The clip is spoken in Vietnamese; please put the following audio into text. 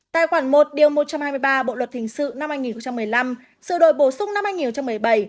tài khoản một một trăm hai mươi ba bộ luật hình sự năm hai nghìn một mươi năm sự đổi bổ sung năm hai nghìn một mươi bảy